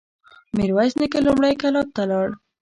ميرويس نيکه لومړی کلات ته لاړ.